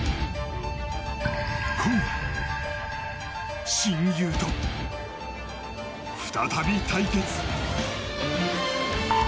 今夜、親友と再び対決。